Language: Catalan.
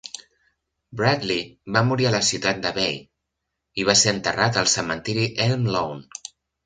Bradley va morir a la ciutat de Bay i va ser enterrat al cementiri Elm Lawn.